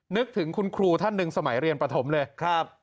นึกถึงคุณครูท่านหนึ่งสมัยเรียนปฐมเลยครับ